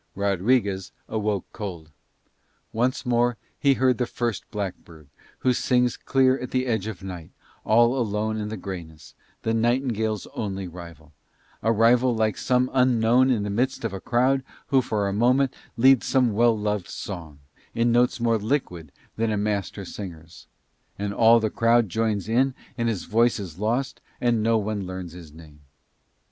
Rodriguez awoke cold. Once more he heard the first blackbird who sings clear at the edge of night all alone in the greyness, the nightingale's only rival; a rival like some unknown in the midst of a crowd who for a moment leads some well loved song, in notes more liquid than a master singer's; and all the crowd joins in and his voice is lost, and no one learns his name.